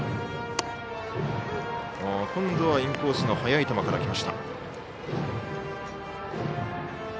今度はインコースの速い球から。